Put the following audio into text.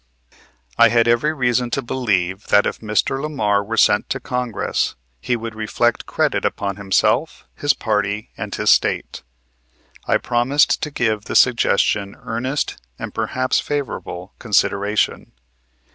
I had every reason to believe that if Mr. Lamar were sent to Congress he would reflect credit upon himself, his party, and his State. I promised to give the suggestion earnest and perhaps favorable consideration.